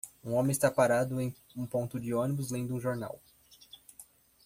Um homem está parado em um ponto de ônibus lendo um jornal.